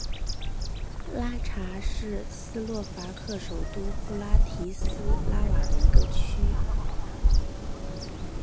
拉察是斯洛伐克首都布拉提斯拉瓦的一个区。